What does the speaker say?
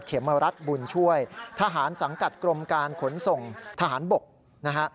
เขมรัฐบุญช่วยทหารสังกัดกรมการขนส่งทหารบกนะฮะ